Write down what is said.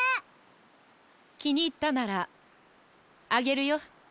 きにいったならあげるよ。